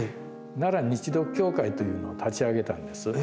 奈良日独協会というのを立ち上げたんです。